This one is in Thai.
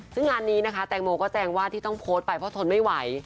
ซึ่งงานนี้นะคะแตงโมก็แจ้งว่าที่ต้องโพสต์ไปเพราะทนไม่ไหว